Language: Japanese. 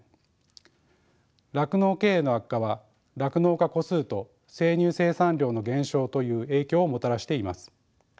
酪農経営の悪化は酪農家戸数と生乳生産量の減少という影響をもたらしています。